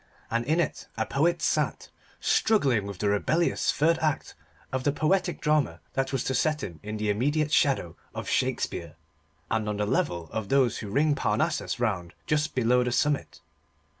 And in it a poet sat, struggling with the rebellious third act of the poetic drama that was to set him in the immediate shadow of Shakespeare, and on the level of those who ring Parnassus round just below the summit.